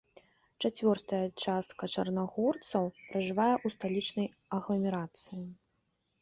Чацвёртая частка чарнагорцаў пражывае ў сталічнай агламерацыі.